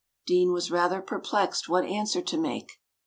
Deane was rather perplexed what answer to make.